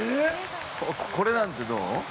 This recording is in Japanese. ◆これなんてどう？